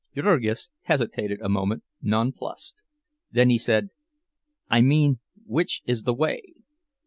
Jurgis hesitated a moment, nonplussed. Then he said, "I mean which is the way?"